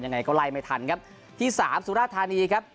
ยังไงก็ไล่ไม่ทันครับที่สามสุราธานีครับ